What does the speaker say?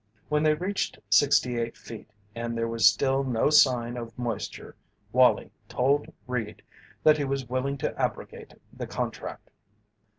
When they reached sixty eight feet and there was still no sign of moisture Wallie told Reed that he was willing to abrogate the contract.